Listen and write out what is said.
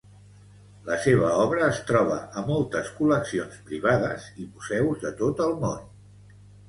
La seva obra es troba a moltes col·leccions privades i museus de tot el món.